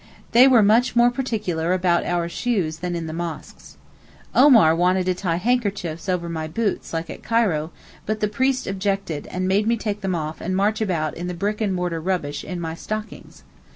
They were much more particular about our shoes than in the mosques. Omar wanted to tie handkerchiefs over my boots like at Cairo, but the priest objected and made me take them off and march about in the brick and mortar rubbish in my stockings.